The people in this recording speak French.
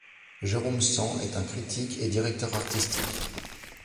Jérôme Sans est un critique et directeur artistique.